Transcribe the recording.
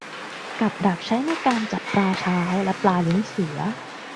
กับดักใช้ในการจับปลาเช้าและ ปลาลิ้นเสือ